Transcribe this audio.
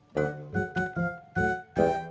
belum bayar dua gelas